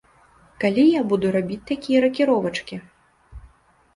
Калі я буду рабіць такія ракіровачкі?